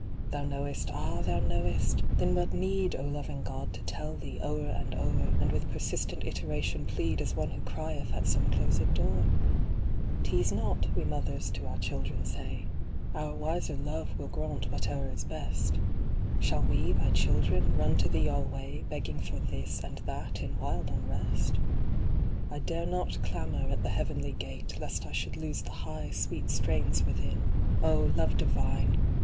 Thou knowest — ah, Thou knowest ! Then what need, O, loving God, to tell Thee o'er and o'er, And with persistent iteration plead As one who crieth at some closed door ?*' Tease not !" we mothers to our children say —" Our wiser love will grant whate'er is best." Shall we, Thy children, run to Thee alvvay. Begging for this and that in wild unrest ? I dare not clamor at the heavenly gate, Lest I should lose the high, sweet strains within ; O, Love Divine